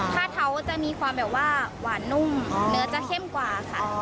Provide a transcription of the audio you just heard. เท้าจะมีความแบบว่าหวานนุ่มเนื้อจะเข้มกว่าค่ะ